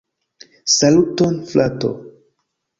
Saluton frato!